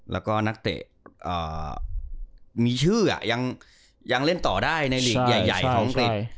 แล้วก็นักเตะมีชื่อยังเล่นต่อได้ในหลีกใหญ่ของอังกฤษ